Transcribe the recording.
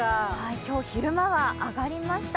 今日、昼間は上がりました。